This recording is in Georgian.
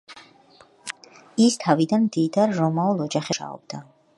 ის თავიდან მდიდარ რომაულ ოჯახებში განმანათლებლად მუშაობდა.